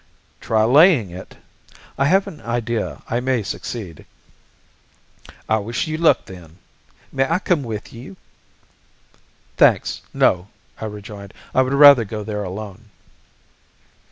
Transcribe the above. "Try laying it. I have an idea I may succeed." "I wish you luck, then. May I come with you?" "Thanks, no!" I rejoined. "I would rather go there alone."